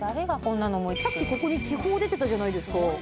さっきここに気泡出てたじゃないですか。